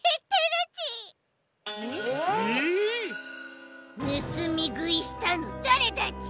ぬすみぐいしたのだれだち！？